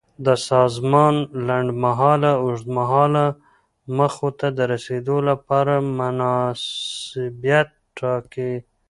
د سازمان لنډمهاله او اوږدمهاله موخو ته د رسیدو لپاره مناسبیت ټاکي.